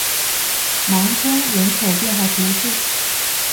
芒通人口变化图示